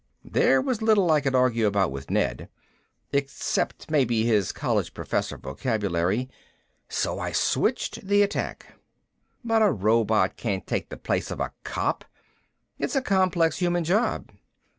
There was little I could argue about with Ned. Except maybe his college professor vocabulary. So I switched the attack. "But a robot can't take the place of a cop, it's a complex human job."